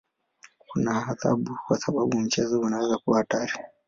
Kuna adhabu kwa sababu mchezo unaweza kuwa hatari.